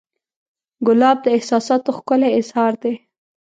ګلاب د احساساتو ښکلی اظهار دی.